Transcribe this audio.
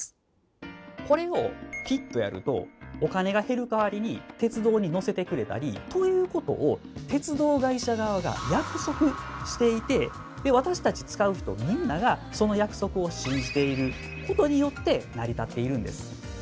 これをピッとやるとお金が減るかわりに鉄道に乗せてくれたりということを鉄道会社側が約束していて私たち使う人みんながその約束を信じていることによって成り立っているんです。